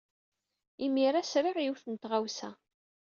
Imir-a, sriɣ yiwet n tɣawsa.